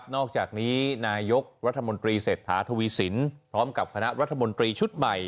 อกจากนี้นายกรัฐมนตรีเศรษฐาทวีสินพร้อมกับคณะรัฐมนตรีชุดใหม่